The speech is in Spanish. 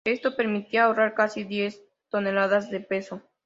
Esto permitía ahorrar casi diez toneladas de peso.